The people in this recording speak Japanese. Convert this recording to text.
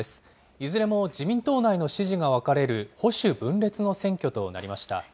いずれも自民党内の支持が分かれる保守分裂の選挙となりました。